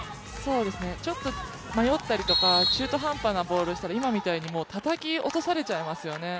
ちょっと迷ったりとか中途半端なボールだと今みたいに、たたき落とされちゃいますよね。